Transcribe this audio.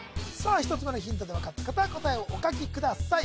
１つ目のヒントで分かった方答えをお書きください